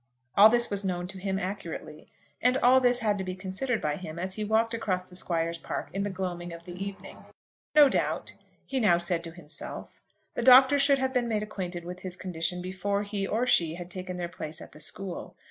All this was known to him accurately, and all this had to be considered by him as he walked across the squire's park in the gloaming of the evening. No doubt, he now said to himself, the Doctor should have been made acquainted with his condition before he or she had taken their place at the school.